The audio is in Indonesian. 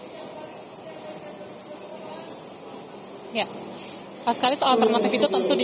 tentu saja ada hal hal yang tidak terjadi tapi kalau ada hal hal yang tidak terjadi itu akan terjadi